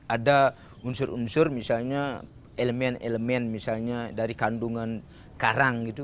ada unsur unsur misalnya elemen elemen misalnya dari kandungan karang gitu